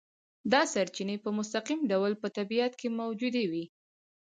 دا سرچینې په مستقیم ډول په طبیعت کې موجودې وي.